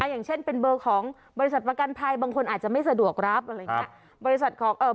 อย่างเช่นเป็นเบอร์ของบริษัทประกันภัยบางคนอาจจะไม่สะดวกรับอะไรอย่างนี้